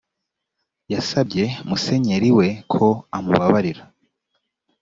yasabye musenyeri we ko amubabarira